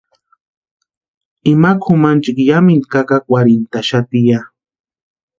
Ima kʼumanchikwa yámintu kakakwarhintʼaxati ya.